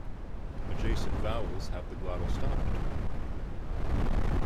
Adjacent vowels have the glottal stop between them.